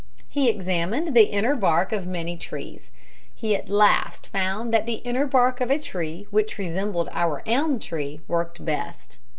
He examined the inner bark of many trees. He at last found that the inner bark of a tree which resembled our elm tree worked best.